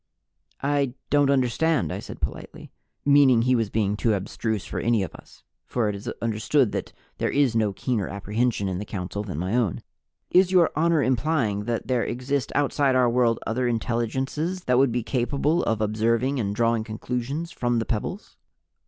"I don't understand." I said politely. (Meaning he was being too abstruse for any of us, for it is understood that there is no keener apprehension in the council than my own.) "Is Your Honor implying that there exist outside our world other intelligences that would be capable of observing and drawing conclusions from the pebbles?"